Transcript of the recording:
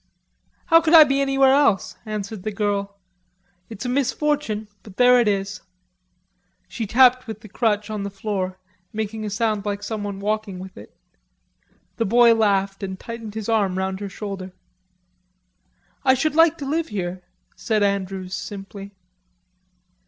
"How could I be anywhere else?" answered the girl. "It's a misfortune, but there it is." She tapped with the crutch on the floor, making a sound like someone walking with it. The boy laughed and tightened his arm round her shoulder. "I should like to live here," said Andrews simply.